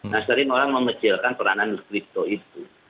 nah sering orang mengecilkan peranan kripto itu